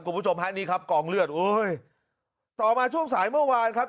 คุณผู้ชมฮะนี่ครับกองเลือดโอ้ยต่อมาช่วงสายเมื่อวานครับ